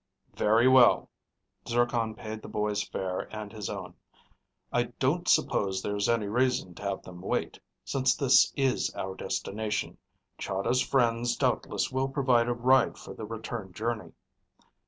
"Very well." Zircon paid the boys' fare and his own. "I don't suppose there's any reason to have them wait, since this is our destination. Chahda's friends doubtless will provide a ride for the return journey."